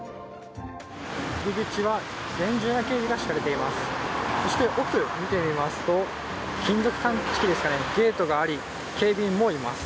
入り口は厳重な警備が敷かれています。